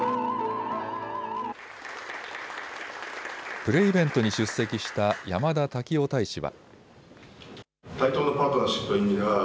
プレイベントに出席した山田滝雄大使は。